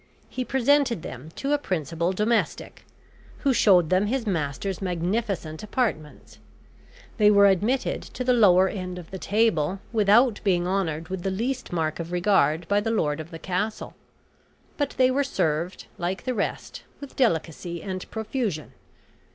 He presented them to a principal domestic, who showed them his master's magnificent apartments. They were admitted to the lower end of the table, without being honored with the least mark of regard by the lord of the castle; but they were served, like the rest, with delicacy and profusion.